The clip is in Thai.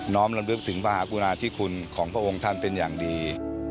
้อมลำลึกถึงพระมหากุณาธิคุณของพระองค์ท่านเป็นอย่างดี